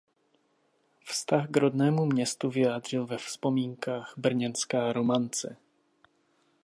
Vztah k rodnému městu vyjádřil ve vzpomínkách "Brněnská romance".